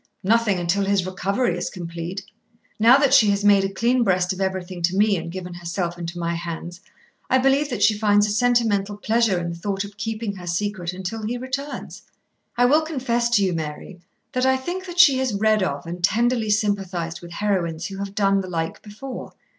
"Nothing until his recovery is complete. Now that she has made a clean breast of everything to me and given herself into my hands, I believe that she finds a sentimental pleasure in the thought of keeping her secret until he returns. I will confess to you, Mary, that I think that she has read of and tenderly sympathised with heroines who have done the like before.